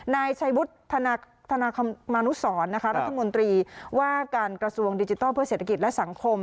นายชัยวุฒิธนาคมมานุสรรัฐมนตรีว่าการกระทรวงดิจิทัลเพื่อเศรษฐกิจและสังคม